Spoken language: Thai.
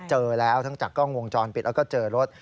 เจอแล้วทั้งจากกล้องวงจรปิดแล้วก็เจอรถ